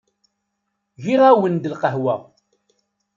Giɣ-awen-d lqahwa.